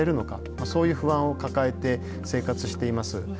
まあそういう不安を抱えて生活しています。